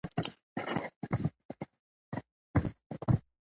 افغانستان کې د دریابونه لپاره دپرمختیا پروګرامونه شته.